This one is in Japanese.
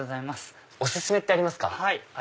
お薦めってありますか？